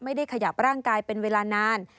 ไม่ได้ขยับร่างกายเป็นเวลานาน